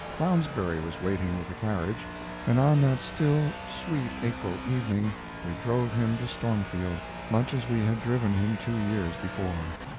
Lounsbury was waiting with the carriage, and on that still, sweet April evening we drove him to Stormfield much as we had driven him two years before.